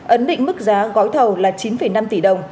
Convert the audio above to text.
ấn định mức giá gói thầu là chín năm tỷ đồng